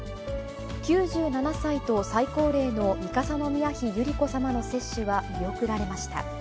９７歳と最高齢の三笠宮妃百合子さまの接種は見送られました。